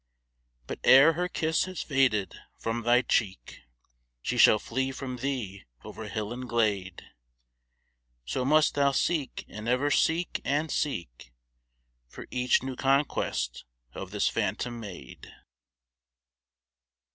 But ere her kiss has faded from thy cheek, She shall flee from thee over hill and glade, So must thou seek and ever seek and seek For each new conquest of this phantom maid.